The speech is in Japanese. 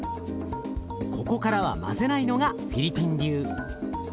ここからは混ぜないのがフィリピン流。